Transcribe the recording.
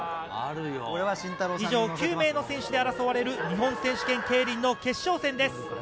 以上９名の選手で争われる日本選手権競輪の決勝戦です。